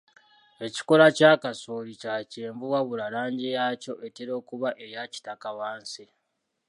Ekikoola kya kasooli kya kyenvu wabula langi yaakyo etera okuba eya kitaka wansi.